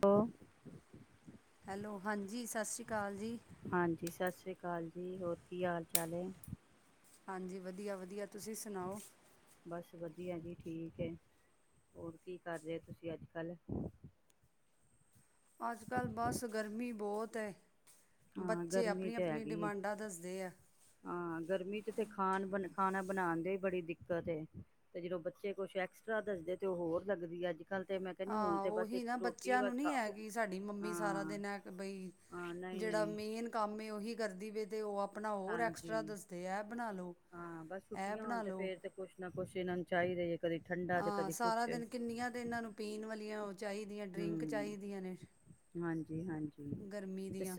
ਤੋ ਹੈਲੋ, ਹਾਂਜੀ ਸਤਿ ਸ਼੍ਰੀ ਅਕਾਲ ਜੀ। ਹਾਂਜੀ ਸਤਿ ਸ਼੍ਰੀ ਅਕਾਲ ਜੀ, ਹੋਰ ਕੀ ਹਾਲ ਚਾਲ ਏ? ਹਾਂਜੀ, ਵਧੀਆਵਧੀਆ। ਤੁਸੀਂ ਸੁਣਾਓ। ਬ ਵਧੀਆ ਜੀ ਠੀਕ ਹੈ ਹੋਰ ਕੀ ਕਰ ਰਹੇ ਹੋ ਤੁਸੀਂ ਅੱਜ- ਕੱਲ। ਤ [inaudible] ਹਾਂ, ਗਰਮੀ ਤੇ ਹੈਗੀ ਏ ਦੱਸਦੇ ਆ ਆ ਹਾਂ ਗਰਮੀ ਚ ਤੇ ਖਾਣ ਬਣ ਖਾਣਾ ਬਣਾਉਣ ਦੀ ਵੀ ਬੜੀ ਦਿੱਕਤ ਏ ਤੇ ਜਦੋਂ ਬੱਚੇ ਕੁਛ ਐਕਸਟਰਾ ਦੱਸਦੇ ਤੇ ਉਹ ਹੋਰ ਲੱਗਦੀ ਅੱਜ ਕੱਲ੍ਹ ਤੇ ਮੈਂ ਕਹਿੰਦੀ ਹੁਣ ਆਹ ਤੇ ਬਸ ਉਹੀ ਇੱਕ ਨਾ ਰੋਟੀ ਬੱਚਿਆਂ ਬਸ ਨੂੰ ਨੀ ਖਾਓ ਹੈਗੀ ਸਾਡੀ ਮੰਮੀ ਸਾਰਾ ਹਾਂ ਦਿਨ ਹੈ ਬਈ ਜਿਹੜੇ ਹਾਂ ਨਹੀਂ ਜਿਹੜਾ ਨਹੀਂ ਮੇਨ ਕੰਮ ਉਹੀ ਕਰਦੀ ਵੀ ਤੇ ਉਹ ਆ ਆਪਣਾ ਹੋਰ ਐਕਸਟਰਾ ਹਾਂਜੀ ਦੱਸਦੇ ਹੈ ਬਣਾ ਲਉ। ਹਾਂ, ਬਸ ਛੁਟਟੀਆਂ ਹੋਣ ਤੇ ਫੇਰ ਤੇ ਕੁੱਛ ਨਾ ਕੁਛ ਇਨਾਂ ਚਾਹੀਦੇ ਜੇ ਹਾਂ, ਸਾਰਾ ਦਿਨ ਕਿੰਨੀਆਂ ਤੇ ਇਹਨਾਂ ਨੂੰ ਪੀਣ ਵਾਲੀਆਂ ਉਹ ਚਾਹੀਦੀਆਂ ਡਰਿੰਕ ਹਮ ਚਾਹੀਦੀਆਂ ਨੇ, ਹਾਂਜੀ ਹਾਂਜੀ ਗਰਮੀ ਤੇ ਸ ਦੀਆਂ।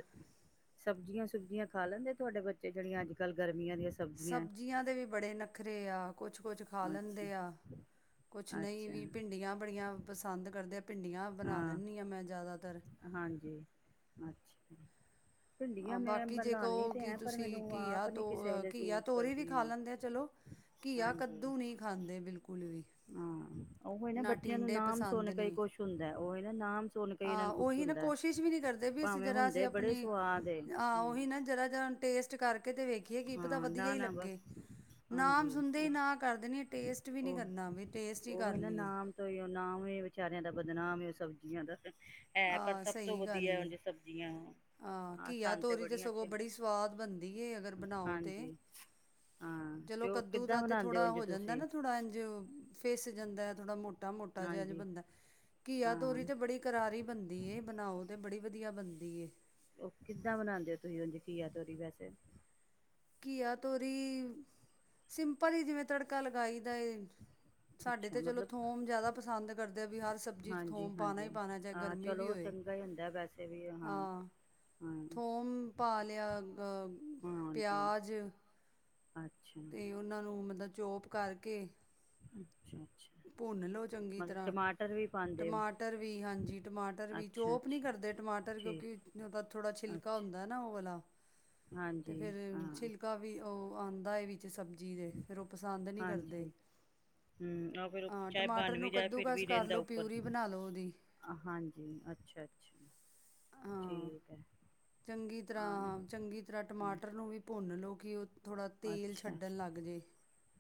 ਸਬਜ਼ੀਆਂ ਖਾ ਲੈਂਦੇ ਤੁਹਾਡੇ ਬੱਚੇ ਜਿਹੜੀਆਂ ਅੱਜ ਕੱਲ ਗਰਮੀਆਂ ਦੀਆਂ ਸ ਸਬਜ਼ੀਆਂ ਦੇ ਵੀ ਬੜੇ ਨੱਖਰੇ ਆ। ਕੁਛ- ਕੁਛ ਖਾ ਅੱਛਾ ਲੈਂਦੇ ਆ। ਕੁਛ ਨਹੀਂ ਅੱਛਾ ਵੀ ਭਿੰਡੀਆਂ ਬੜੀਆਂ ਪਸੰਦ ਕਰਦੇ। ਭਿੰਡੀਆਂ ਬਣਾ ਲੈਂਦੀ ਹਾਂ ਮੈਂ ਜ਼ਿਆਦਾ ਹਾਂਜੀ, ਅੱਛਾ। ਭਿੰਡੀਆਂ ਹਾਂ ਮੈਂ ਬਾਕੀ ਜੇ ਬਣਾਉਣੀ ਕਹੋ ਤੇ ਕਿ ਹੈ ਪਰ ਤੁਸੀਂ ਮੈਨੂੰ ਘੀਆ ਆਪ ਨੀ ਤੋ ਕਿਸੇ ਵੇਲੇ ਘੀਆ ਸੂਟ ਤੋਰੀ ਵੀ ਖਾ ਕਰਦੀਆਂ ਲੈਂਦੇ ਆ ਚਲੋ, ਘੀਆ ਹਾਂਜੀ ਕੱਦੂ ਨਹੀ ਖਾਂਦੇ ਬਿਲਕੁਲ ਵੀ। ਹਾਂ ਉਹ ਨਾ ਬੱਚਿਆਂ ਨੂੰ ਟੀਂਡੇ ਨਾਮ ਪਸੰਦ ਸੁਣ ਕੇ ਹੀ ਕੁਛ ਹੁੰਦਾ ਹੈ, ਉਹ ਨਾ ਨਾਮ ਸੁਣ ਹੀ ਇਹਨਾਂ ਆ ਨੂੰ ਕੁਛ ਉਹੀ ਨਾ ਹੁੰਦਾ ਕੋਸ਼ਿਸ਼ ਵੀ ਨਹੀਂ ਕਰਦੇ ਵੀ ਅਸੀਂ ਭਾਵੇਂ ਜਿਹੜਾ ਹੁੰਦੇ ਅਸੀਂ ਬੜੇ ਆਪਣੀ, ਸਵਾਦ ਏ। ਹਾਂ ਉਹੀ ਨਾ ਜੜਾ ਜ ਟੇਸਟ ਕਰਕੇ ਤੇ ਵੇਖੀਏ ਕੀ ਪਤਾ ਹਾਂ ਵਧੀਆ ਨਾ ਹੀ ਨਾ ਲੱਗੇ। ਬਸ ਨਾਮ ਹਾਂਜੀ ਸੁਣਦੇ ਉਹ ਹੀ ਨਾ ਕਰ ਦੇਣੀ। ਟੇਸਟ ਵੀ ਨੀ ਉਹ ਕਰਨਾ ਵੀ ਟੇਸਟ ਹੀ ਕਰ ਉਹੀ ਨਾ ਲਈਏ ਨਾਮ ਤੋਂ ਹੀ ਨਾਮ ਹੀ ਵਿਚਾਰਿਆਂ ਦਾ ਬਦਨਾਮ ਉਹ ਸਬਜ਼ੀਆਂ ਦਾ ਹੈ ਪਰ ਆਹ ਸਭ ਤੋਂ ਸਹੀ ਗੱਲ ਵਧੀਆ ਏ ਜੇ ਸਬਜ਼ੀਆਂ ਹਾਂ, ਘੀਆ ਸਾਨੂੰ ਤੋਰੀ ਤੇ ਬੜੀਆਂ ਸਗੋਂ ਅੱਛੀਆਂ ਬੜੀ ਸਵਾਦ ਬਣਦੀ ਏ ਅਗਰ ਬਣਾਓ ਤੇ, ਹਾਂਜੀ ਹਾਂ ਚਲੋ ਤੇ ਉਹ ਕੱਦੂ ਕਿੱਦਾਂ ਦਾ ਤੇ ਬਣਾਉਂਦੇ ਥੋੜਾ ਉਝ ਹੋ ਜਾਂਦਾ ਤੁਸੀਂ ਨਾ ਥੋੜਾ ਇੰਝ ਫਿਸ ਜਾਂਦਾ [inaudible] ਮੋਟਾ- ਮੋਟਾ ਜਿਹਾ ਹਾਂਜੀ ਬੰਨਦਾ ਘੀਆ ਹਾਂ ਤੋਰੀ ਤੇ ਬੜੀ ਕਰਾਰੀ ਬਣਦੀ ਏ ਬਣਾਓ ਤੇ ਬੜੀ ਵਧੀਆ ਬਣਦੀ ਏ। ਉਹ ਕਿੱਦਾਂ ਬਣਾਉਂਦੇ ਹੋ ਤੁਸੀਂ ਉਦਾ ਘੀਆ ਤੋਰੀ ਵੈਸੇ। ਘੀਆ ਤੋਰੀ, ਸਿੰਪਲ ਹੀ ਜਿਵੇਂ ਤੜਕਾ ਲਗਾਈ ਦਾ ਏ ਸਾਡੇ ਅੱਛਾ ਤੇ ਚਲੋ ਮਤਲਬ ਥੋਮ ਜ਼ਿਆਦਾ ਪਸੰਦ ਕਰਦੇ ਆ ਵੀ ਹਰ ਸਬਜ਼ੀ ਚ ਹਾਂਜੀ ਥੋਮ ਪਾਉਣਾ ਹੀ ਹਾਂਜੀ ਪਾਉਣਾ ਚਾਹੇ ਹਾਂ ਗਰਮੀ ਵੀ ਚਲੋ ਹੋਏ ਚੰਗਾ ਹੀ ਹੁੰਦਾ ਵੈਸੇ ਵੀ ਹਾਂ ਹਾਂ ਥੋਮ ਪਾ ਲਿਆ ਅਹ ਹਾਂਜੀ ਪਿਆਜ ਅੱਛਾ ਤੇ ਉਹਨਾਂ ਨੂੰ ਮਤਲਬ ਜੋਬ ਕਰਕੇ [unintelligible] ਭੁੰਨ ਲੋਓ ਚੰਗੀ ਮਤਲਬ ਤਰ੍ਹਾਂ, ਟਮਾਟਰ ਵੀ ਪਾਉਂਦੇ ਹੋ ਟਮਾਟਰ ਵੀ ਹਾਂਜੀ ਟਮਾਟਰ ਵੀ ਅੱਛਾ ਚੋਪ ਨੀ ਅੱਛਾ ਕਰਦੇ ਟਮਾਟਰ ਕਿਉਂਕਿ ਠੀਕ ਜ ਥੋੜਾ ਛਿਲਕਾ ਅੱਛਾ ਹੁੰਦਾ ਨਾ ਉਹ ਵਾਲਾ ਤੇ ਹਾਂਜੀ ਫੇਰ ਹਾਂ ਛਿਲਕਾ ਵੀ ਉਹ ਆਉਂਦਾ ਏਹ ਵੀ ਵਿੱਚ ਸਬਜ਼ੀ ਦੇ ਫਿਰ ਉਹ ਪਸੰਦ ਨੀ ਕਰਦੇ। ਆਹੋ ਫੇਰ ਹਾਂ ਚਾਹੇ ਟਮਾਟਰ ਬਣ ਵੀ ਨੂੰ ਜਾ ਫਿਰ ਕੱਦੂਕਸ ਵੀ ਕਰ ਰਹਿੰਦਾ ਲਓ ਉੱਪਰ ਪਿਊਰੀ ਬਣਾ ਲਓ ਉਹਦੀ ਹਾਂਜੀ ਅੱਛਾ-ਅੱਛਾ। ਹਾਂ ਠੀਕ ਹੈ। ਚੰਗੀ ਆ ਤਰ੍ਹਾਂ ਨਹੀਂ ਚੰਗੀ ਤਰ੍ਹਾਂ ਟਮਾਟਰ ਨੂੰ ਵੀ ਭੁੰਨ ਲਓ ਕਿ ਉਹ ਥੋੜ੍ਹਾ ਤੇਲ ਅੱਛਾ ਛੱਡਣ ਲੱਗ ਜੇ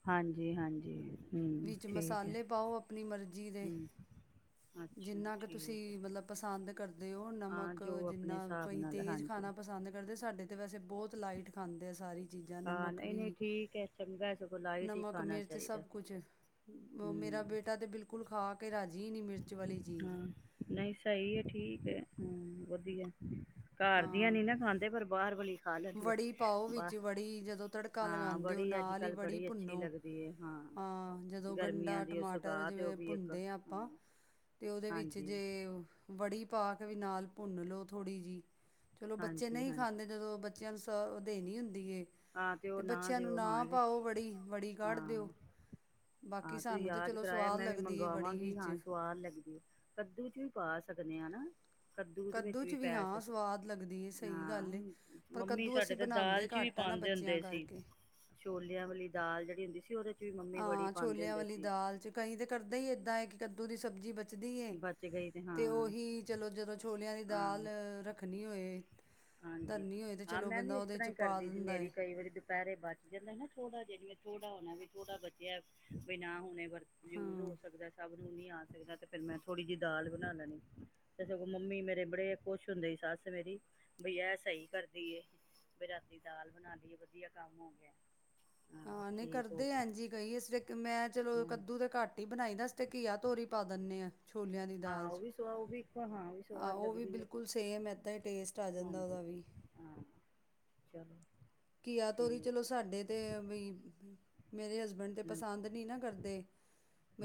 ਹਾਂਜੀ ਹਾਂਜੀ ਹੂੰ ਵਿੱਚ ਠੀਕ ਹੈ ਮਸਾਲੇ ਪਾਓ ਆਪਣੀ ਮਰਜ਼ੀ ਜੀ ਦੇ ਹੂੰ ਅੱਛਾ ਜਿੰਨਾ ਕੁ ਤੁਸੀਂ ਠੀਕ ਹੈ ਮਤਲਬ ਪਸੰਦ ਕਰਦੇ ਹੋ। ਹੁਣ ਹਾਂ ਨਮਕ ਜੋ ਜਿੰਨਾ ਆਪਣੇ ਹਿਸਾਬ ਕਈ ਨਾਲ ਤੇਜ਼ ਹਾਂਜੀ ਖਾਣਾ ਪਸੰਦ ਕਰਦੇ ਸਾਡੇ ਤੇ ਵੈਸੇ ਬਹੁਤ ਲਾਈਟ ਖਾਂਦੇ ਆ ਸਾਰੇ। ਹਾਂ ਨਹੀਂ-ਨਹੀਂ ਠੀਕ ਹੈ ਚੰਗਾ ਸਗੋਂ ਲਾਈਟ ਹੀ ਨਮਕ ਖਾਣਾ ਮਿਰਚ ਚਾਹੀਦਾ। ਸਭ ਕੁਛ ਮੇਰਾ ਹੂੰ ਬੇਟਾ ਤੇ ਬਿਲਕੁਲ ਖਾ ਕੇ ਰਾਜੇ ਹਾਂ ਨਹੀਂ ਸਹੀ ਹੈ ਠੀਕ ਹੈ। ਹੂੰ ਵਧੀਆ। ਘਰ ਦੀਆਂ ਹਾਂ ਨੀ ਨਾ ਖਾਂਦੇ ਪਰ ਬਾਹਰ ਵਾਲੀਆ ਵੜੀ ਪਾਓ ਵਿੱਚ ਵੜੀ ਜਦੋਂ ਤੜਕਾ ਹਾਂ ਲਗਾਉਂਦੇ ਹੋ ਬੜੀ ਅੱਜ ਨਾਲ ਹੀ ਕੱਲ੍ਹ ਵੜੀ ਬੜੀ ਅੱਛੀ ਭੁੰਨੋ ਲੱਗਦੀ ਹੈ ਹਾਂ ਆ ਜਦੋਂ ਗਰਮੀਆਂ ਗੰਢਾ ਦੀ ਉਹ ਟਮਾਟਰ ਸੁਗਾਤ ਉਹ ਜਿਵੇਂ ਵੀ ਇੱਕ ਭੁੰਨਦੇ ਆ। ਹਾਂ ਆਪ ਤੇ ਉਹਦੇ ਵਿੱਚ ਹਾਂਜੀ ਜੇ ਵੜੀ ਪਾ ਪਾ ਕੇ ਵੀ ਨਾਲ ਭੁੰਨ ਲੋੋ ਥੋੜ੍ਹੀ ਜਿਹੀ ਚਲੋ ਬੱਚੇ ਹਾਂਜੀ ਨਹੀਂ ਹਾਂਜੀ ਖਾਂਦੇ ਜਦੋਂ ਸ ਉਹ ਦੇਣੀ ਹੁੰਦੀ ਏ ਹਾਂ ਤੇ ਅਤੇ ਉਹ ਨਾ ਬੱਚਿਆਂ ਨੂੰ ਦਿਓ ਹਾਂ ਨਾ ਇਹ ਪਾਓ ਵੜੀ ਵੜੀ ਕੱਢ ਹਾਂ ਦਿਓ ਬਾਕੀ ਆ ਤੂੰ ਸਾਨੂੰ ਤਾਂ ਯਾਦ ਚਲੋ ਕਰਾਇਆ ਸਵਾਦ ਮੈਂ ਵੀ ਲੱਗਦੀ ਏ ਵੜੀ ਮੰਗਵਾਵਾਂਗੀ ਹਾਂ ਵਿੱਚ ਸਵਾਦ ਲੱਗਦੀ ਆ ਕੱਦੂ ਚ ਪਾ ਸਕਦੇ ਹਾਂ ਨਾ ਦੇ ਕੱਦੂ ਵਿੱਚ ਚ ਵੀ ਪੈ ਹਾਂ ਸਕ ਸਵਾਦ ਲੱਗਦੀ ਏ ਸਹੀ ਹਾਂ ਗੱਲ ਪਰ ਕੱਦੂ ਅਸੀਂ ਬਣਾਂਦੇ ਘੱਟ ਆ ਨਾ ਪਾਂਦੇ ਬੱਚਿਆਂ ਹੁੰਦੇ ਸੀ ਕਰਕੇ ਛੋਲਿਆਂ ਵਾਲੀ ਦਾ ਦਾਲ ਜਿਹੜੀ ਹੁੰਦੀ ਸੀ ਉਹਦੇ ਚ ਵੀ ਮੰਮੀ ਬੜੀ ਹਾਂ ਪਾਉਂਦੇ ਛੋਲਿਆਂ ਹੁੰਦੇ ਵਾਲੀ ਸੀ ਦਾਲ ਚ ਕਈ ਤੇ ਕਰਦਾ ਹੀ ਏਦਾਂ ਏ ਕੱਦੂ ਦੀ ਸਬਜ਼ੀ ਬਚਦੀ ਏ ਬਚ ਗਈ ਹਾਂ ਤੇ ਉਹੀ ਚਲੋ ਜਦੋਂ ਛੋਲਿਆਂ ਦੀ ਹਾਂ ਦਾਲ ਰੱਖਣੀ ਹੋਏ ਹਾਂਜੀ, ਧਰਨੀ ਹੋਏ ਤੇ ਹਾਂ ਚਲੋ ਮੈਂ ਵੀ ਬੰਦਾ ਇਸ ਉਹਦੇ ਤਰ੍ਹਾਂ 'ਚ ਹੀ ਪਾ ਕਰਦੀ ਸੀ, ਦਿੰਦਾ ਮੇਰੀ ਏ ਕਈ ਵਾਰੀ ਦੁਪਹਿਰੇ ਬਚ ਜਾਏ ਮੈਂ ਨਾ ਥੋੜਾ ਜਿਹਾ ਵੇ ਛੋਟਾ ਹੋਣਾ ਵੀ ਛੋਟਾ ਬੱਚਿਆ ਬ ਨਾ ਹੋਣੇ ਬ ਯੂਜ ਹੋ ਹਾਂ ਸਕਦਾ ਸਭ। ਨਹੀਂ ਆ ਸਕਦਾ ਤੇ ਫਿਰ ਮੈਂ ਥੋੜ੍ਹੀ ਜਿਹੀ ਦਾਲ ਬਣਾ ਲੈਣੀ ਤੇ ਸਗੋਂ ਮੰਮੀ ਮੇਰੇ ਬੜੇ ਖੁਸ਼ ਹੁੰਦੇ ਸੀ, ਸੱਸ ਮੇਰੀ ਬੀ ਏ ਸਹੀ ਕਰਦੀ ਏ ਬਈ ਰਾਤੀ ਦਾਲ ਬਣਾ ਲਈਏ ਵਧੀਆ ਕੰਮ ਹੋ ਗਿਆ। ਹਾਂ ਨਹੀਂ ਠੀਕ ਹੋ ਕਰਦੇ ਗਿਆ ਐਂ ਜੀ ਕਈ ਮੈਂ ਚਲੋ ਹਮ ਕੱਦੂ ਤੇ ਘੱਟ ਹੀ ਬਣਾਈ ਦਾ ਅਸੀਂ ਤੇ ਘੀਆ, ਤੋਰੀ ਪਾ ਦਿੰਦੇ ਆ। ਛੋਲਿਆਂ ਦੀ ਹਾਂ ਦਾਲ ਉਹ ਵੀ ਸਵਾਦ ਉਹ ਵੀ ਹਾਂ ਉਹ ਵੀ ਹਾਂ ਸਵਾਦ ਉਹ ਵੀ ਲੱਗਦੀ ਹੈ ਬਿਲਕੁਲ ਸੇਮ ਇੱਦਾਂ ਹੀ ਟੇਸਟ ਆ ਜਾਂਦਾ ਹਾਂਜੀ ਉਹਦਾ ਵੀ। ਹਾਂ ਚਲੋ ਘੀਆ, ਤੋਰੀ ਠੀਕ ਚਲੋ ਸਾਡੇ ਤੇ ਬਈ ਮੇਰੇ ਹਸਬੈਂਡ ਤਾਂ ਹੂੰ, ਪਸੰਦ ਨਹੀਂ ਨਾ ਕਰਦੇ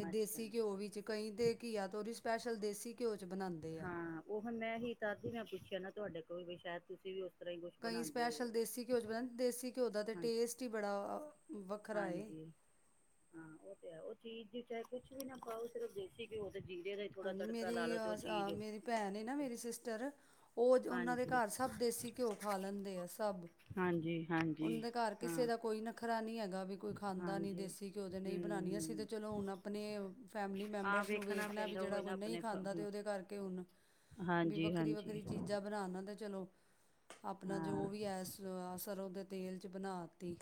ਅੱਛਾ ਦੇਸੀ ਘਿਓ ਵਿੱਚ, ਕਈ ਤਾਂ ਘਿਆ ਤੌਰੀ ਸੁੱਕੀ ਸਪੈਸ਼ਲ ਦੇਸੀ ਘਿਓ 'ਚ ਬਣਾਉਂਦੇ ਆ ਹਾਂ ਉਹ ਹੁਣ ਮੈਂ ਹੀ ਤਦੀ ਮੈਂ ਪੁੱਛਿਆ ਨਾ। ਤੁਹਾਡੇ ਕੋਲ ਵੀ ਸ਼ਾਇਦ ਤੁਸੀਂ ਵੀ ਤਰ੍ਹਾਂ ਹੀ ਕੁਛ ਕਈ ਬਣਾਉਂਦੇ ਸਪੈਸ਼ਲ ਹੋਵੋ। ਦੇਸੀ ਘਿਓ ਚ ਬਣਾਉਂਦੇ ਦੇਸੀ ਘਿਓ ਦਾ ਤਾਂ ਹਾਂਜੀ ਟੇਸਟ ਹੀ ਬੜਾ ਵੱਖਰਾ ਏ ਹਾਂਜੀ ਹਾਂ ਉਹ ਤੇ ਹੈ। ਚੀਜ਼ ਚ ਚਾਹੇ ਕੁਛ ਵੀ ਨਾ ਪਾਓ ਸਿਰਫ ਦੇਸੀ ਘਿਓ ਤੇ ਜੀਰੇ ਦਾ ਥੋੜਾ ਹਾਂਜੀ ਤੜਕਾ ਮੇਰੀ ਲਾ ਲਓ ਤੇ ਉਹ ਚੀਜ਼ ਮੇਰੀ ਭੈਣ ਏ ਨਾ ਮੇਰੀ ਸਿਸਟਰ ਉਹ ਉਹਨਾਂ ਦੇ ਹਾਂਜੀ ਘਰ ਸਭ ਦੇਸੀ ਘਿਓ ਖਾ ਲੈਂਦੇ ਆ ਸਭ ਹਾਂਜੀ ਹਾਂਜੀ ਉਹਨਾਂ ਦੇ ਘਰ ਹਾਂ ਕਿਸੇ ਦਾ ਕੋਈ ਨਖਰਾ ਨੀ ਹੈਗਾ। ਵੀ ਕੋਈ ਖਾਂਦਾ ਨੀ ਹਾਂਜੀ ਦੇਸੀ ਘਿਓ ਦੇ ਨਹੀਂ ਹਮ ਬਣਾਨੀਆਂ ਸੀ ਤੇ ਹਮ ਚਲੋ, ਹੁਣ ਆਪਣੇ ਫੈਮਿਲੀ ਆਹ ਮੈਂਬਰਸ ਨੂੰ ਵੇਖਣਾ ਵੀ ਪੈਂਦਾ ਉਹ ਜਿਹੜਾ ਨਾ ਕੋਈ ਨਹੀਂ ਆਪਣੇ ਖਾਂਦਾ ਤੇ, ਉਹਦੇ ਕਰਕੇ ਹੁਣ ਵੀ ਹਾਂਜੀ ਵੱਖਰੀ ਹਾਂਜੀ ਵੱਖਰੀ ਚੀਜ਼ਾਂ ਬਣਾ ਲਾ ਤੇ ਚਲੋ। ਆਪਣਾ ਹਾਂ ਜੋ ਵੀ ਹੈ ਸਰੌਂ ਦੇ ਤੇਲ ਚ ਬਣਾ ਤੀ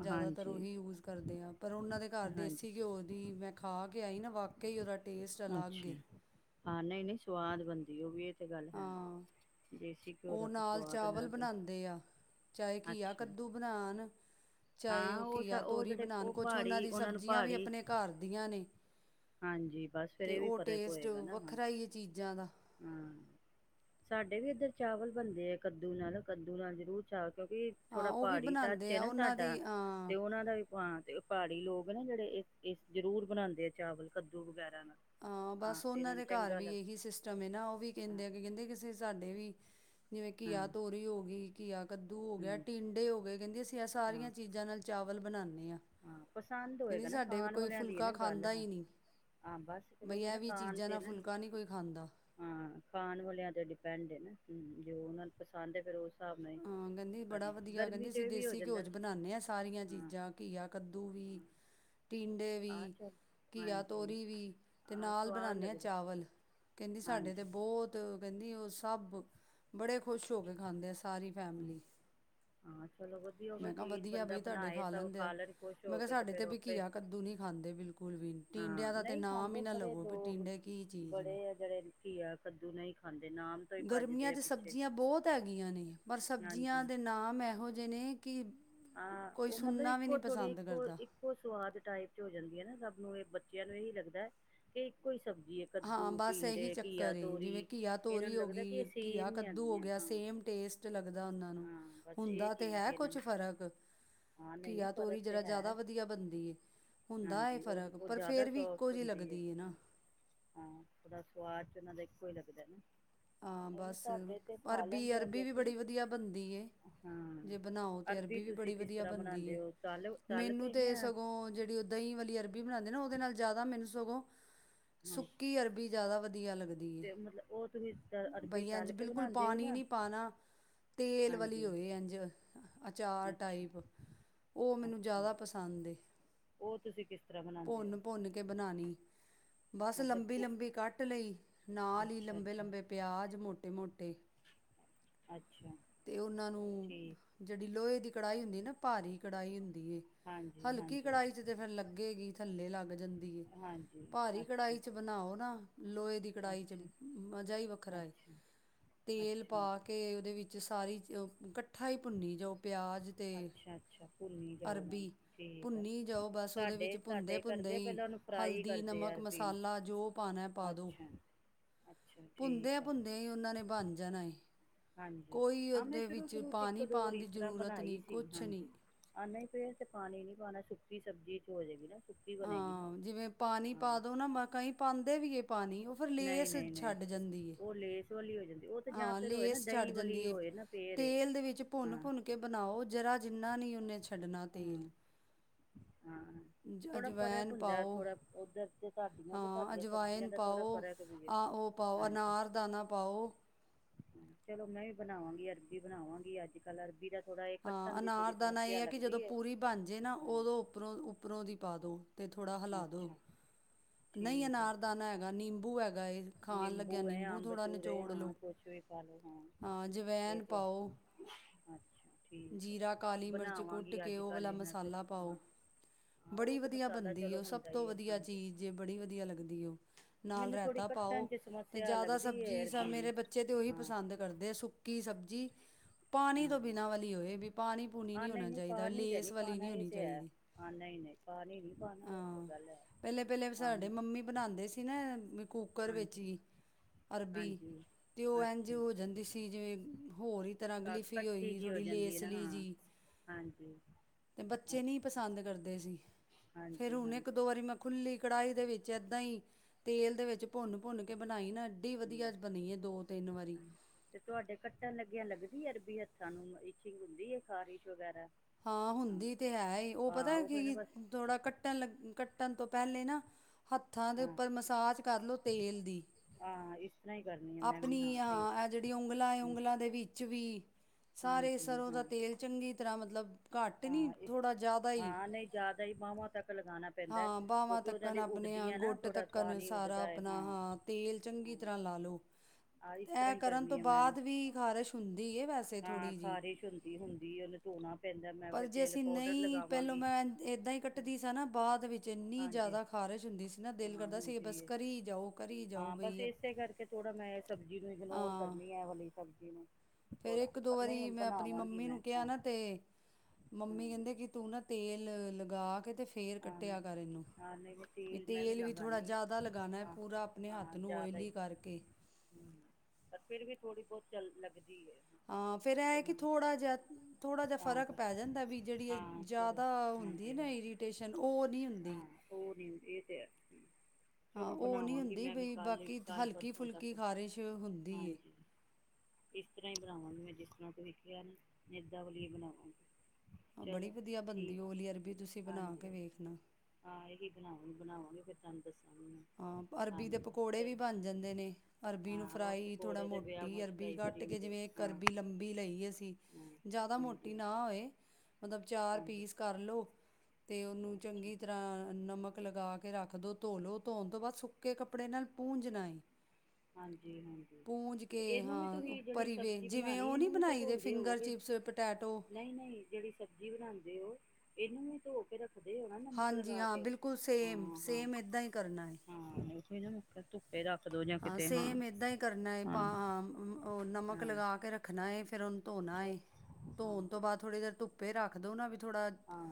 ਜ਼ਿਆਦਾਤਰ ਹਾਂਜੀ ਉਹੀ ਯੂਜ ਕਰਦੇ ਆ, ਪਰ ਉਹਨਾਂ ਦੇ ਘਰ ਹਾਂਜੀ ਦੇਸੀ ਘਿਓ ਦੀ ਮੈਂ ਖਾ ਆਈ ਨਾ ਵਾਕਈ ਉਹਦਾ ਟੇਸਟ ਅਲੱਗ ਅੱਛਾ ਏ ਹਾਂ ਨਹੀਂ -ਨਹੀਂ ਸਵਾਦ ਬਣਦੀ ਉਹ ਵੀ ਇਹ ਤੇ ਗੱਲ ਹੈ। ਹਾਂ ਦੇਸੀ ਘਿਓ ਉਹ ਦਾ ਕੋਈ ਨਾਲ ਸਵਾਦ ਚਾਵਲ ਅਲੱਗ ਏ, ਬਣਾਉੰਦੇ ਆ ਚਾਹੇ ਘੀਆ, ਅੱਛਾ। ਕੱਦੂ ਬਣਾਉਣ। ਚਾਹੇ ਹਾਂ ਉਹ ਸ ਘੀਆ, ਉਹ ਤੋਰੀ ਜਿਹੜੇ ਬਣਾਉਣ ਉਹ ਕੁਛ ਉਹਨਾਂ ਪਹਾੜੀ ਦੀ ਨੂੰ ਸਬਜ਼ੀਆਂ ਵੀ ਪਹਾੜੀ ਆਪਣੇ ਘਰ ਦੀਆਂ ਨੇ। ਹਾਂਜੀ ਬਸ ਫੇਰ ਤੇ ਇਹ ਵੀ ਉਹ ਫ਼ਰਕ ਟੇਸਟ ਹੋਏਗਾ ਨਾ ਹਾਂ, ਵੱਖਰਾ ਹੀ ਹੈ ਚੀਜ਼ਾਂ ਦਾ। ਹਾਂ ਸਾਡੇ ਵੀ ਇੱਧਰ ਚਾਵਲ ਬਣਦੇ ਆ ਕੱਦੂ ਨਾਲ, ਕੱਦੂ ਨਾਲ ਜ਼ਰੂਰ ਚਾ ਕਿਉਂਕਿ ਹਾਂ ਥੋੜਾ ਉਹ ਵੀ ਪਹਾੜੀ ਟਚ ਬਣਾਉਂਦੇ ਹੈ ਆ ਨਾ ਉਹਨਾਂ ਸਾਡਾ, ਦੀ ਹਾਂ ਤੇ ਉਹਨਾ ਦਾ ਵੀ ਪ- ਤੇ ਪਹਾੜੀ ਲੋਕ ਨਾ ਜਿਹੜੇ ਇਸ ਜ਼ਰੂਰ ਬਣਾਉਂਦੇ ਆ ਚਾਵਲ ਕੱਦੂ ਵਗੈਰ ਹਾਂ, ਬਸ ਉਹਨਾਂ ਦੇ ਘਰ ਵੀ ਇਹੀ ਸਿਸ ਉਹ ਵੀ ਹਾਂ, ਕਹਿੰਦੇ ਆ ਕਹਿੰਦੇ ਕਿਸੇ ਸਾਡੇ ਇਹ ਵੀ ਜਿਵੇਂ ਹਾਂ, ਘੀਆ ਤੋਰੀ ਹੋ ਗਈ ਘੀਆ ਕੱਦੂ ਹੋ ਗਿਆ ਹੂੰ, ਟਿਂਡੇ ਹੋ ਗਏ ਕਹਿੰਦੇ ਅਸੀਂ ਹਾਂ। ਸਾਰੀਆਂ ਚੀਜ਼ਾਂ ਨਾਲ ਚਾਵਲ ਬਣਾਨੀ ਹਾਂ ਪਸੰਦ ਹੋਏਗਾ ਨਾ, ਖਾਣ ਵਾਲਿਆਂ ਦੀ ਏ ਫੁਲਕਾ ਨਾ ਗੱਲ ਖਾਂਦਾ ਹੀ ਨਹੀਂ ਹਾਂ ਬਸ ਬਈ ਉਹ ਹੈ ਇਹ ਵੀ ਖਾਣ ਚੀਜ਼ਾਂ ਤੇ ਨਾਲ ਨਾ ਫੁਲਕਾ ਨਹੀਂ ਕੋਈ ਖਾਂਦਾ ਹਾਂ ਖਾਣ ਵਾਲਿਆਂ ਤੇ ਡਿਪੈਂਡ ਏਨਾ ਜੋ ਉਹਨਾ ਨੂੰ ਪਸੰਦੇ ਫਿਰ ਓ ਹਾਂ ਕਹਿੰਦੀ ਬੜਾ ਵਧੀਆ ਕਹਿੰਦੀ ਅਸੀਂ ਇਹ ਵੀ ਹੋ ਦੇਸੀ ਘਿਓ ਜਾਂਦਾ ਚ ਨਾ ਬਣਾਦੇਂ ਹਾਂ ਸਾਰੀਆਂ ਹਾਂ ਚੀਜ਼ਾਂ ਘੀਆ ਕੱਦੂ ਵੀ ਹਾਂ ਟਿਂਡੇ ਆਹ ਘੀ- ਚਲ ਘੀਆ ਹਾਂਜੀ ਤੋਰੀ ਵੀ ਅਤੇ ਆਹ ਨਾਲ ਸਵਾਦ ਬਣਾਉਂਦੇ ਹਾਂ ਲੱਗਦੇ ਚਾਵਲ, ਕਹਿੰਦੀ ਸਾਡੇ ਤਾਂ ਹਾਂਜੀ ਬਹੁਤ ਕਹਿੰਦੀ ਉਸ ਸਭ, ਬੜੇ ਖੁਸ਼ ਹੋ ਕੇ ਖਾਂਦੇ ਸੀ ਸਾਰੀ ਹਾਂ ਫੈਮਿਲੀ ਹਾਂ ਚਲੋ ਵਧੀਆ ਉਹ ਮੈਂ ਕਿਹਾ ਚੀਜ਼ ਵਧੀਆ ਬੰਦਾ ਬਈ ਤੁਹਾਡੇ ਬਣਾਏ ਖਾ ਸਭ ਲੈਂਦੇ ਆ ਲੈਣ ਖੁਸ਼ ਮੈਂ ਹੋ ਕਿਹਾ ਕੇ ਸਾਡੇ ਫੇਰ ਤੇ ਬਈ ਆਪੇ ਘੀਆ ਕੱਦੂ ਨੀ ਖਾਂਦੇ ਬਿਲਕੁਲ ਟਿੰਡਿਆਂ ਹਾਂ ਦਾ ਤੇ ਨਹੀਂ ਨਾਮ ਹੀ ਖਾਂਦੇ ਨਾ ਬੜੇ ਲਵੋ, ਬਈ ਲੋਗ ਟਿੰਡੇ ਕੀ ਚੀਜ਼ ਨੇ ਬੜੇ ਆ ਜਿਹੜੇ ਘੀਆ ਕੱਦੂ ਨਹੀਂ ਖਾਂਦੇ ਨਾਮ ਤੋਂ ਹੀ ਗਰਮੀਆਂ ਭੱਜਦੇ ਆ 'ਚ ਪਿੱਛੇ ਸਬਜ਼ੀਆਂ ਬਹੁਤ ਹੈਗੀਆਂ ਨੇ ਪਰ ਸਬਜ਼ੀਆਂ ਹਾਂਜੀ ਦੇ ਨਾਮ ਇਹੋ ਜਿਹੇ ਨੇ ਕਿ ਹਾਂ ਕੋਈ ਉਹ ਮਤਲਬ ਸੁਣਨਾ ਵੀ ਨਹੀਂ ਇੱਕੋ ਥੋੜ੍ਹੀ ਪਸੰਦ ਕਰਦਾ ਇੱਕੋ-ਇੱਕੋ ਸਵਾਦ ਟਾਈਪ ਚ ਹੋ ਜਾਂਦੀ ਹੈ ਨਾ ਸਭ ਨੂੰ ਬੱਚਿਆਂ ਨੂੰ ਇਹੀ ਲੱਗਦਾ ਹੈ ਕਿ ਇੱਕੋ ਸਬਜ਼ੀ ਹੈ ਹਾਂ ਕੱਦੂ ਬਸ ਇਹੀ ਟੀਂਡੇ ਘੀਆ ਚੱਕਰ ਏ ਜਿਵੇਂ ਤੋਰੀ ਘੀਆ ਇਹਨਾਂ ਤੋਰੀ ਨੂੰ ਹੋ ਲੱਗਦਾ ਕਿ ਗਈ ਇਹ ਘੀਆ ਸੇਮ ਹੀ ਕੱਦੂ ਹੋ ਹੈਗੀਆਂ ਗਿਆ ਹਾਂ ਸੇਮ ਟੇਸਟ ਲੱਗਦਾ ਉਹਨਾਂ ਨੂੰ, ਹਾਂ ਬਸ ਇਹ ਹੁੰਦਾ ਤੇ ਚੀਜ਼ ਹੈ ਇਹਨਾਂ ਕੁਛ ਨੂੰ ਫਰਕ ਹਾਂ ਨਹੀਂ ਨਹੀਂ ਘੀਆ ਫ਼ਰਕ ਤੋਰੀ ਤੇ ਜਰਾ ਹੈ ਜ਼ਿਆਦਾ ਵਧੀਆ ਬਣਦੀ ਏ, ਹੁੰਦਾ ਹਾਂਜੀ ਉਹ ਫ਼ਰਕ ਉਹ ਪਰ ਜ਼ਿਆਦਾ ਫੇਰ ਵੀ ਇੱਕੋ ਸੋਫਟ ਜਿਹੀ ਹੁੰਦੀ ਹੈ ਲੱਗਦੀ ਏ ਨਾ ਹਮ, ਹਾਂ ਥੋੜਾ ਸਵਾਦ ਤੇ ਨਾਲੇ ਇੱਕੋ ਹੀ ਲੱਗਦਾ ਹਾਂ ਨਹੀਂ ਨਹੀਂ ਬਸ ਸਾਡੇ ਤੇ ਖਾ ਅਰਬੀ, ਲੈਂਦੇ ਹੁੰਦੇ ਅਰਬੀ ਵੀ ਅਸੀਂ ਬੜੀ ਵਧੀਆ ਬਣਦੀ ਏ ਹਾਂ ਜੇ ਬਣਾਓ ਤਾਂ ਅਰਬੀ ਵੀ ਤੁਸੀਂ ਬੜੀ ਕਿਸ ਵਧੀਆ ਤਰ੍ਹਾਂ ਬਣਦੀ ਏ, ਬਣਾਉਂਦੇ ਹੋ ਤਲ ਤਲ ਮੈਨੂੰ ਕੇ ਤੇ ਜਾਂ ਸਗੋਂ ਜਿਹੜੀ ਉਹ ਦਹੀਂ ਵਾਲੀ ਅਰਬੀ ਬਣਾਦੇ ਨਾ ਓਹਦੇ ਨਾਲ ਜੈਦਾ ਮੈਨੂੰ ਸਗੋਂ ਹਾਂ ਸੁੱਕੀ ਅਰਬੀ ਜਿਆਦਾ ਵਧੀਆ ਵਧੀਆ ਲੱਗਦੀ ਏ। ਤੇ ਮਤਲਬ ਉਹ ਤੁਸੀਂ ਅਰਬੀ ਬਈ ਏੰਝ ਤਲ ਕੇ ਬਿਲਕੁਲ ਬਣਾਉਂਦੇ ਹੋ ਪਾਣੀ ਜਾਂ ਨੀ ਪਾਣਾ ਤੇਲ ਵਾਲੀ ਹਾਂਜੀ ਹੋਏ ਏੰਝ ਅਚਾਰ ਅੱਛਾ ਟਾਈਪ, ਔ ਮੈਨੂੰ ਅੱਛਾ ਜਿਆਦਾ ਪਸੰਦ ਏ। ਉਹ ਤੁਸੀਂ ਕਿਸ ਤਰ੍ਹਾਂ ਬਣਾਉਂਦੇ ਭੋਨ ਹੋ ਭੋਨ ਕੇ ਬਣਾਣੀ। ਬਸ ਮਤਲਬ ਲੰਬੀ ਉਹ ਲੰਬੀ ਕੱਟ ਲਈ ਨਾਲ ਹੀ ਅੱਛਾ ਲੰਬੇ ਅੱਛਾ ਲੰਬੇ ਪਿਆਜ ਮੋਟੇ ਮੋਟੇ। ਅੱਛਾ ਤੇ ਓਨਾਂ ਨੂੰ ਠੀਕ ਜੇੜੀ ਲੋਹੇ ਦੀ ਕੜਾਈ ਹੁੰਦੀ ਐ ਨਾ ਭਾਰੀ ਕੜਾਈ ਹੁੰਦੀ ਦੀ ਏ। ਹਾਂਜੀ ਹਲਕੀ ਹਾਂਜੀ ਕੜਾਹੀ ਚ ਤੇ ਫੇਰ ਲੱਗੇਗੀ ਥੱਲੇ ਲੱਗ ਜਾਂਦੀ ਏ ਹਾਂਜੀ ਭਾਰੀ ਅੱਛਾ ਕੜਾਹੀ ਚ ਬਣਾਓ ਨਾ ਲੋਹੇ ਦੀ ਕੜਾਹੀ ਚ ਅੱਛਾ ਮਜਾ ਈ ਵੱਖਰਾ ਏ, ਅੱਛਾ ਤੇਲ ਅੱਛਾ ਪਾ ਕੇ ਔਦੇ ਵਿੱਚ ਸਾਰੀ ਉ ਔ ਕਟ ਇਕਠਾ ਈ ਭੁੰਨੀ ਜਾਓ, ਪਿਆਜ ਤੇ ਅੱਛਾ ਅੱਛਾ ਭੁੰਨੀ ਜਾਓ ਅਰਬੀ ਉਹਨਾਂ ਨੂੰ ਠੀਕ ਹੈ ਭੁੰਨੀ ਜਾਓ ਬਸ ਔਦੇ ਵਿੱਚ ਸਾਡੇ ਭੁੰਣਦੇ ਸਾਡੇ ਭੁੰਣਦੇ ਕਰਦੇ ਆ ਹੀ ਪਹਿਲਾਂ ਉਹਨੂੰ ਫਰਾਈ ਹਲਦੀ, ਕਰਦੇ ਆ ਨਮਕ, ਅਰਬੀ ਨੂੰ ਮਸਾਲਾ ਜੋ ਪਾਣੈ ਪਾ ਦੋ। ਅੱਛਾ ਅੱਛਾ ਭੁੰਣਦਿਆਂ ਠੀਕ ਹੈ ਭੁੰਣਦਿਆਂ ਹੀ ਓਹਨਾਂ ਨੇ ਬਣ ਜਾਣਾ ਏ। ਹਾਂਜੀ। ਕੋਈ ਆ, ਮੈਂ ਉਹਦੇ ਸ਼ੁਰੂ ਵਿੱਚ ਸ਼ੁਰੂ ਚ ਇੱਕ ਪਾਣੀ ਦੋ ਪਾਉਣ ਵਾਰੀ ਇਸ ਦੀ ਤਰ੍ਹਾਂ ਜ਼ਰੂਰਤ ਬਣਾਈ ਨਹੀਂ ਸੀ, ਕੁਛ ਨਹੀਂ ਹਾਂਜੀ। ਆ ਨਹੀਂ ਫੇਰ ਤੇ ਪਾਣੀ ਨੀ ਪਾਣਾ ਸੁੱਕੀ ਸਬਜ਼ੀ ਚ ਹੋ ਜੇਗੀ ਨਾ। ਸੁੱਕੀ ਬਣੇਗੀ ਨਾ ਹਾਂ, ਜਿਵੇਂ ਪਾਣੀ ਹਾਂ ਪਾ ਦੋ ਨਾ ਮ ਕਈ ਪਾਂਦੇ ਵੀ ਏ। ਪਾਣੀ ਔ ਫੇਰ ਨਹੀਂ ਲੇਸ ਨਹੀਂ ਨਹੀਂ ਛੱਡ ਜਾਂਦੀ ਏ। ਉਹ ਲੇਸ ਵਾਲੀ ਹੋ ਜਾਂਦੀ ਉਹ ਤੇ ਜਾਂ ਹਾਂ, ਫਿਰ ਹੋਏ ਨਾ ਲੇਸ ਛੱਡ ਦਹੀਂ ਜਾਂਦੀ ਵਾਲੀ ਏ, ਹੋਏ ਨਾ ਫੇਰ ਏ ਤੇਲ ਦੇ ਵਿੱਚ ਭੁੰਣ ਹਾਂ ਭੁੰਣ ਕੇ ਬਣਾਓ, ਜਰਾ ਜਿੰਨਾ ਨੀ ਨੇ ਉਨੇ ਚ ਛੱਡਣਾ ਤੇਲ। ਹਾਂ ਹਾਂ ਜਾਂ ਥੋੜਾ ਫ਼ਰਕ ਜਵੈਨ ਹੁੰਦਾ ਪਾਓ। ਥੋੜਾ ਉੱਧਰ ਤੇ ਤੁਹਾਡੀਆਂ ਤੇ ਹਾਂ ਸਾਡੀਆਂ ਸਬਜ਼ੀਆਂ ਅਜਵਾਇਨ ਦਾ ਥੋੜਾ ਪਾਓ, ਫ਼ਰਕ ਵੀ ਏ ਆ ਔ ਪਾਓ ਹਾਂਜੀ ਅਨਾਰਦਾਨਾ ਪਾਓ। ਚਲੋ ਮੈਂ ਵੀ ਬਣਾਵਾਂਗੀ, ਅਰਬੀ ਬਣਾਵਾਂਗੀ। ਅੱਜ ਕੱਲ ਅਰਬੀ ਦਾ ਥੋੜਾ ਏ ਕੱਟਣ ਹਾਂ ਦੀ ਥੋੜੀ ਅਨਾਰਦਾਨਾ ਇਹ ਸਮੱਸਿਆ ਹੈ ਲੱਗਦੀ ਕਿ ਜਦੋਂ ਏ ਪੂਰੀ ਬਣ ਜੇ ਨਾ ਹਾਂ ਓਦੋਂ ਉੱਪਰੋਂ ਉੱਪਰੋਂ ਦੀ ਪਾ ਦੋ। ਅਤੇ ਥੋੜ੍ਹਾ ਹਲਾ ਦੋ। ਅੱਛਾ ਨਹੀਂ ਠੀਕ ਹੈ ਅਨਾਰ ਦਾਨਾ ਹੈਗਾ, ਨਿੰਬੂ ਹੈ। ਨਿੰਬੂ ਏ ਅੰਬ ਚੂਰ ਏ, ਨਿਚੋੜ ਹਾਂ ਲਓ ਕੁਛ ਵੀ ਪਾਲੋ ਹਾਂ ਏਹ ਜਵੈਨ ਤੇ ਪਾਓ ਅੱਛਾ ਠੀਕ ਹੈ ਜੀਰਾ, ਕਾਲੀ ਮਿਰਚ ਕੁੱਟ ਬਣਾਵਾਂਗੀ ਕੇ ਅੱਜ ਓਹ ਕੱਲ੍ਹ ਵਾਲਾ ਹੀ ਮੈਂ ਫਿਰ ਮਸਾਲਾ ਪਾਓ। ਹਾਂ ਹਾਂ ਬੜੀ ਉਹ ਤੇ ਵਧੀਆ ਮਸਾਲਾ ਬਣਦੀ ਏ, ਚਲੋ ਓਹ ਸਭ ਹੁੰਦਾ ਤੋਂ ਹੀ ਹੈ ਵਧੀਆ ਹਾਂਜੀ ਚੀਜ਼ ਜੇ, ਬੜੀ ਵਧੀਆ ਲੱਗਦੀ ਓਹ ਨਾਲ ਮੈਨੂੰ ਥੋੜ੍ਹੀ ਰਾਇਤਾ ਪਾਓ ਕੱਟਣ 'ਚ ਤੇ ਸਮੱਸਿਆ ਜਿਆਦਾ ਲੱਗਦੀ ਹੈ ਸਬਜ਼ੀ ਸ ਅਰਬੀ ਮੇਰੇ ਵੀ ਬੱਚੇ ਤੇ ਓਹੀ ਹਾਂ ਪਸੰਦ ਕਰਦੇ ਐ ਸੁੱਕੀ ਸਬਜ਼ੀ। ਪਾਣੀ ਤੋਂ ਹਾਂ ਬਿਨਾਂ ਵਾਲੀ ਵੀ ਪਾਣੀ ਪੂਣੀ ਹਾਂ ਨੀ ਨਹੀਂ ਹੋਣਾ ਨਹੀਂ ਚਾਹੀਦਾ ਪਾਣੀ ਤੇ ਲੇਸ ਨਹੀਂ ਵਾਲੀ ਪਾਉਣਾ ਨੀ ਇਹ ਹੋਣੀ ਤੇ ਹੈ ਚਾਹੀਦੀ ਹਾਂ ਨਹੀਂ ਨਹੀਂ ਪਾਣੀ ਨਹੀਂ ਪਾਉਣਾ ਇਹ ਤਾਂ ਹਾਂ ਗੱਲ ਹੈ ਪਹਿਲੇ ਪਹਿਲੇ ਸਾਡੇ ਪਾਣੀ ਮੰਮੀ ਬਣਾਦੇ ਸੀ ਨਾ [inaudible] ਕੁੂੱਕਰ ਵਿੱਚ ਹਾਂਜੀ ਹੀ ਅਰਬੀ ਹਾਂਜੀ ਤੇ ਉਹ ਇੰਝ ਹੋ ਅੱਛਾ ਜਾਂਦੀ ਸੀ ਜਿਵੇਂ ਹੋਰ ਹੀ ਤਰ੍ਹਾਂ ਗਲੀਫੀ ਇਕੱਠੀ ਹੋਈ ਜਿਹੀ ਹੋ ਜਾਂਦੀ ਹੈ ਨਾ ਲੇਸਲੀ ਹਾਂ ਜੀ ਹਾਂਜੀ ਤੇ ਬੱਚੇ ਅੱਛਾ ਨਹੀਂ ਪਸੰਦ ਕਰਦੇ ਸੀ ਫਿਰ ਹਾਂਜੀ ਹੁਣ ਇੱਕ ਹਾਂਜੀ ਦੋ ਵਾਰੀ ਮੈਂ ਖੁੱਲ੍ਹੀ ਕੜਾਹੀ ਦੇ ਵਿੱਚ ਇੱਦਾਂ ਈ ਤੇਲ ਦੇ ਵਿੱਚ ਭੁੰਨ ਭੁੰਨ ਕੇ ਬਣਾਈ ਨਾ ਐਡੀ ਵਧੀਆ ਬਣੀ ਹੈ ਦੋ ਤਿੰਨ ਵਾਰੀ ਤੇ ਤੁਹਾਡੇ ਕੱਟਣ ਲੱਗਿਆ ਲੱਗਦੀ ਅਰਬੀ ਹੱਥ ਤੋਹਾਨੂ ਇੱਛਿੰਗ ਹੁੰਦੀ ਹੈ ਖ਼ਾਰਿਸ਼ ਵਗੈਰਾ ਹਾਂ ਹੁੰਦੀ ਤੇ ਹੈ ਹੀ ਉਹ ਹਾਂ ਪਤਾ ਫਿਰ ਨਾ ਕਿ ਬਸ ਥੋੜਾ ਕੱਟਣ ਲੱ ਕੱਟਣ ਤੋਂ ਪਹਿਲੇ ਨਾ ਹੱਥਾਂ ਦੇ ਹਾਂ ਉੱਪਰ ਮਸਾਜ ਕਰ ਲਉ ਤੇਲ ਦੀ ਹਾਂ ਇਸ ਤਰ੍ਹਾਂ ਹੀ ਕਰਨੀ ਆ ਮੈਂ ਵੀ ਆਪਣੀ ਹਾਂ ਤੇ ਆ ਜਿਹੜੀ ਉਂਗਲਾਂ ਹੈ ਹਮ ਉਂਗਲਾਂ ਦੇ ਵਿੱਚ ਵੀ ਸਾਰੇ ਹਾਂਜੀ ਸਰ੍ਹੋਂ ਦਾ ਹਾਂ ਤੇਲ ਚੰਗੀ ਤਰ੍ਹਾਂ ਮਤਲਬ ਘੱਟ ਨੀ ਹਾਂ ਇਸ ਥੋੜਾ ਜਿਆਦਾ ਹੀ ਹਾਂ ਨਹੀਂ ਜ਼ਿਆਦਾ ਹੀ ਬਾਹਵਾਂ ਤੱਕ ਲਗਾਉਣਾ ਪੈਂਦਾ ਹੈ ਹਾਂ ਬਾਹਵਾਂ ਕਿਉਂਕਿ ਉਹਨਾਂ ਤੱਕਣ ਦੀ ਆਪਣੇ ਆ ਉੱਡਦੀਆਂ ਨਾ ਗੁੱਟ ਥੋੜਾ ਤੱਕਣ ਪਾਣੀ ਸਾਰਾ ਉੱਡਦਾ ਹੈ ਆਪਣਾ ਹਾਂ ਤੇਲ ਚੰਗੀ ਹਾਂ ਤਰ੍ਹਾਂ ਲਾ ਲਓ ਆਹ ਇਸ ਇਹ ਤਰ੍ਹਾਂ ਹੀ ਕਰਨ ਕਰਨੀ ਤੋਂ ਆ ਮੈਂ ਬਾਅਦ ਵੀ ਖ਼ਾਰਸ਼ ਹੁੰਦੀ ਏ ਹਾਂ ਖ਼ਾਰਿਸ਼ ਹੁੰਦੀ ਹੁੰਦੀ ਉਹਨੂੰ ਧੋਣਾ ਪੈਂਦਾ ਮੈਂ ਪਰ ਫਿਰ ਕਿਸੇ ਜੇ ਵੇਲੇ ਅਸੀਂ ਪਾਊਡਰ ਨਹੀਂ ਪਹਿਲੋਂ ਲਗਾਵਾਂਗੀ ਮੈਂ ਏਦਾਂ ਹੀ ਕੱਟਦੀ ਸ ਨਾ ਬਾਅਦ ਵਿੱਚ ਇੰਨੀ ਹਾਂਜੀ ਜ਼ਿਆਦਾ ਖ਼ਾਰਿਸ਼ ਹੁੰਦੀ ਸੀ ਨਾ ਦਿਲ ਹਾਂ ਕਰਦਾ ਸੀ ਹੁੰਦੀ ਬਸ ਹੈ ਕਰੀ ਜਾਓ ਕਰੀ ਜਾਓ ਹਾਂ ਬਸ ਬਈ ਇਸੇ ਕਰਕੇ ਥੋੜ੍ਹਾ ਮੈਂ ਹਾਂ ਜੀ ਮੈਮ [inaudible] ਫੇਰ ਇੱਕ ਦੋ ਵਾਰੀ ਮੈਂ ਆਪਣੀ ਮੰਮੀ ਨੂੰ ਕਿਆ ਹਾਂ ਨਾ ਤੇ ਮੰਮੀ ਕਹਿੰਦੇ ਕਿ ਤੂੰ ਨਾ ਤੇਲ ਲਗਾ ਕੇ ਤੇ ਫੇਰ ਹਾਂ ਕੱਟਿਆ ਕਰ ਇਹਨੂੰ ਹਾਂ ਨਹੀਂ ਤੇਲ ਮੈਂ ਵੀ ਥੋੜ੍ਹਾ ਲਗਾਦੀ ਜ਼ਿਆਦਾ ਲਗਾਉਣਾ ਹੈ ਹਾਂ ਪੂਰਾ ਆਪਣੇ ਹੱਥ ਹਾਂ ਨੂੰ ਜ਼ਿਆਦਾ ਓਇਲੀ ਕਰਕੇ ਈ--ਹੂ ਪਰ ਫਿਰ ਵੀ ਥੋੜੀ ਬਹੁਤ ਚੱਲ ਲੱਗ - ਹਾਂ ਫੇਰ ਇਹ ਕਿ ਥੋੜ੍ਹਾ ਜਿਹਾ ਥੋੜ੍ਹਾ ਜਿਹਾ ਹਾਂ ਫ਼ਰਕ ਪੈ ਜਾਂਦਾ ਵੀ ਜਿਹੜੀ ਹਾਂ ਥੋੜਾ ਜ਼ਿਆਦਾ ਹੁੰਦੀ ਹਾਂਜੀ ਨਾ ਹਾਂਜੀ ਇਰੀਟੇਸ਼ਨ ਉਹ ਨੀ ਹੁੰਦੀ ਹਾਂ ਉਹ ਨੀ ਇਹ ਤੇ ਹੈ। ਹਾਂ ਚਲੋ ਉਹ ਨੀ ਬਣਾਵਾਂਗੀ ਹੁੰਦੀ ਮੈਂ ਵੀ ਬਈ ਕੱਲ ਬਾਕੀ ਕੱਲ ਹਲਕੀ ਪਰਸੋਂ ਤੱਕ ਫੁਲਕੀ ਖ਼ਾਰਿਸ਼ ਹੁੰਦੀ ਹਾਂਜੀ ਇਸ ਤਰ੍ਹਾਂ ਹੀ ਬਣਾਵਾਂਗੀ ਮੈਂ ਜਿਸ ਤਰ੍ਹਾਂ ਤੁਸੀਂ ਕਿਹਾ ਨਾ ਏਦਾਂ ਵਾਲੀ ਹੀ ਬਣਾਵਾਂਗੀ ਬੜੀ ਚਲੋ ਵਧੀਆ ਠੀਕ ਬਣਦੀ ਓਹ ਵਾਲੀ ਅਰਬੀ ਤੁਸੀਂ ਬਣਾ ਕੇ ਹਾਂਜੀ ਵੇਖਣਾ ਹਾਂ ਇਹ ਹੀ ਬਣਾਵਾਂਗੀ ਬਣਾਵਾਂਗੀ ਫਿਰ ਤੁਹਾਨੂੰ ਦੱਸਾਂਗੀ ਮੈਂ ਹਾਂ ਅਰਬੀ ਦੇ ਹਾਂਜੀ ਪਕੌੜੇ ਵੀ ਚਲੋ ਬਣ ਜਾਂਦੇ ਨੇ ਅਰਬੀ ਨੂੰ ਹਾਂ ਉਹ ਫਰਾਈ ਥੋੜ੍ਹਾ ਪਕੌੜੇ ਤੇ ਵਿਆਹ ਮੋਟੀ ਵਿੱਚ ਅਰਬੀ ਕਈ ਕੱਟ ਵਾਰੀ ਕੇ ਹੁੰਦੇ ਜਿਵੇਂ ਇੱਕ ਹਾਂ ਅਰਬੀ ਲੰਬੀ ਲਈ ਅਸੀਂ ਹਾਂ ਜ਼ਿਆਦਾ ਮੋਟੀ ਹਾਂਜੀ ਨਾ ਹੋਏ ਮਤਲਬ ਚਾਰ ਹਾਂਜੀ ਪੀਸ ਕਰ ਲਓ ਤੇ ਉਹਨੂੰ ਅੱਛਾ ਚੰਗੀ ਤਰ੍ਹਾਂ ਨਮਕ ਲਗਾ ਕੇ ਰੱਖ ਦੋ ਧੋਲੋ ਧੋਣ ਤੋਂ ਬਾਅਦ ਸੁੱਕੇ ਕੱਪੜੇ ਨਾਲ ਪੂੰਜਣਾ ਹਾਂਜੀ ਹਾਂਜੀ ਤੇ ਇਹਨੂੰ ਵੀ ਹਾਂ ਤੁਸੀਂ ਉੱਪਰ ਜਿਹੜੀ ਹੀ ਵੇ ਸਬਜ਼ੀ ਜਿਵੇਂ ਬਣਾਉਣੀ ਉਹ ਨਹੀਂ ਇਹਨੂੰ ਵੀ ਤੇ ਬਣਾਈ ਦੇ ਧੋਂਦੇ ਫਿੰਗਰ ਹੋਵਗੇ ਚਿਪਸ ਪਟੈਟੋ ਨਹੀਂ ਨਹੀਂ ਜਿਹੜੀ ਸਬਜ਼ੀ ਬਣਾਉਂਦੇ ਹੋ ਇਹਨੂੰ ਵੀ ਧੋ ਕੇ ਰੱਖੋ। ਹਾਂਜੀ ਹਾਂ ਬਿਲਕੁਲ ਸੇਮ ਹਾਂ ਸੇਮ ਏਦਾਂ ਹੀ ਕਰਨਾ ਹੈ। ਮੁੱਕ ਧੁੱਪੇ [unintelligible] ਰੱਖ ਦੋ ਜਾਂ ਹਾਂ ਕਿਤੇ ਸੇਮ ਏਦਾਂ ਹੀ ਕਰਨਾ ਏ ਹਾਂ ਪਾ ਉਹ ਨਮਕ ਹਾਂ ਲਗਾ ਕੇ ਰੱਖਣਾ ਏ। ਫਿਰਨ ਧੋਣਾ ਅੱਛਾ। ਏ ਧੋਣ ਹਾਂਜੀ ਤੋਂ ਬਾਅਦ ਥੋੜ੍ਹੀ ਦੇਰ ਧੁੱਪੇ ਰੱਖ ਦੋਨਾਂ ਵੀ ਥੋੜ੍ਹਾ ਹਾਂ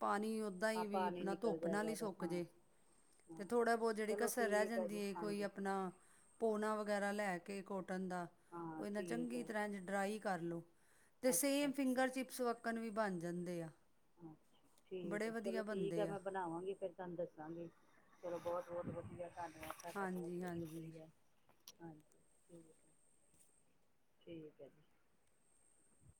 ਪਾਣੀ ਓਦਾਂ ਹਾਂ ਹੀ ਵੀ ਪਾਣੀ ਆਪਣਾ ਨਿਕਲ ਧੁੱਪ ਨਾਲ ਜਾਏਗਾ ਹੀ ਉਹਦਾ ਸੁੱਕ ਹਾਂ ਜੇ ਤੇ ਹਾਂ। ਥੋੜਾ ਬਹੁਤ ਜਿਹੜੀ ਚਲੋ ਕਸਰ ਰਹਿ ਠੀਕ ਜੀ ਜਾਂਦੀ ਹੈ ਕੋਈ ਹਾਂਜੀ ਆਪਣਾ ਪੋਨਾ ਵਗੈਰਾ ਲੈ ਕੇ ਕੇ ਕੋਟ ਹਾਂ [unintelligible] ਠੀਕ ਚੰਗੀ ਹੈ ਤਰ੍ਹਾਂ ਡਰਾਈ ਕਰ ਲੋ ਅੱਛਾ ਸੇਮ ਅੱਛਾ। ਫਿੰਗਰ ਚਿੱਪਸ ਵਕਣ ਵੀ ਬਣ ਜਾਂਦੇ ਆ ਅੱਛਾ ਠੀਕ ਆ ਬੜੇ ਵਧੀਆ ਚਲੋ ਠੀਕ ਆ ਬਣਦੇ ਮੈਂ ਬਣਾਵਾਂਗੀ ਫੇਰ ਤੁਹਾਨੂੰ ਦੱਸਾਂਗੀ। ਚਲੋ ਬਹੁਤ ਬਹੁਤ ਵਧੀਆ। ਧੰਨਵਾਦ ਤੁਹਾਡਾ ਬਹੁਤ ਹਾਂਜੀ ਬਹੁਤ ਹਾਂਜੀ ਸ਼ੁਕਰੀਆ। ਹਾਂਜੀ ਠੀਕ ਠੀਕ ਹੈ ਜੀ।